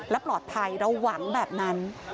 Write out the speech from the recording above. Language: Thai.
แล้วปลอดภัยแล้วหวังแบบนั้น